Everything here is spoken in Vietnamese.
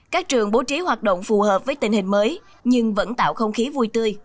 các trường bố trí hoạt động phù hợp với tình hình mới nhưng vẫn tạo không khí vui tươi